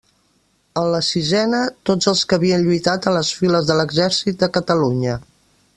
En la sisena tots els que havien lluitat a les files de l'exèrcit de Catalunya.